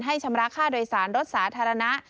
ชำระค่าโดยสารรถสาธารณะ